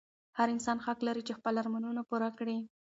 هر انسان حق لري چې خپل ارمانونه پوره کړي.